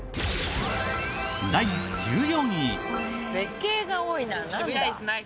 第１４位。